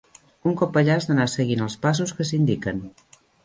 Un cop allà has d'anar seguint els passos que s'indiquen.